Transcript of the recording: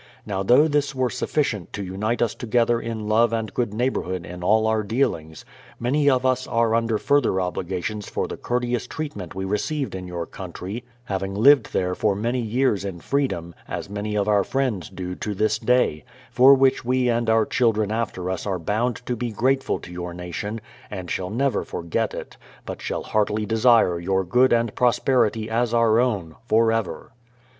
Now though this were sufficient to unite us together in love and good neighbourhood in all our dealings, many of us are under further obligations for the courteous treatment we received in your counti y, having lived therg THE PLYMOUTH SETTLEMENT 185 for many years in freedom, as many of our friends do to this day; for which we and our children after us are bound to be grateful to your nation, and shall never forget it, but shall heartily desire 3'our good and prosperity as our own, forever.